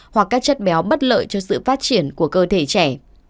hoặc các chất béo bất lợi cho sự phát triển của cơ thể trẻ